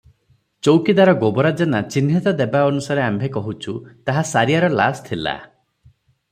ଚୌକିଦାର ଗୋବରା ଜେନା ଚିହ୍ନିତ ଦେବା ଅନୁସାରେ ଆମ୍ଭେ କହୁଛୁ ତାହା ସାରିଆର ଲାସ୍ ଥିଲା ।